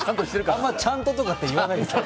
あんま、ちゃんととかって言わないですよ。